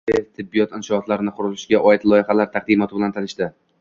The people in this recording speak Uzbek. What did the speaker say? Shavkat Mirziyoyev tibbiyot inshootlari qurilishiga oid loyihalar taqdimoti bilan tanishdi